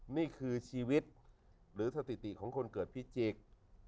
นี่คือชีวิตหรือสถิติของคนเกิดพิจิกษ์